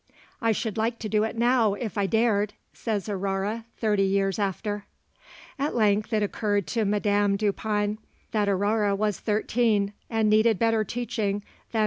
'I should like to do it now, if I dared,' says Aurore thirty years after. At length it occurred to Madame Dupin that Aurore was thirteen, and needed better teaching than M.